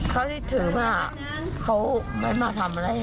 เขาเสียถือมาเขาไม่มาทำอะไร